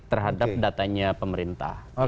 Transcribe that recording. terhadap datanya pemerintah